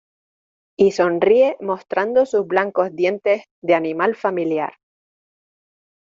y sonríe mostrando sus blancos dientes de animal familiar.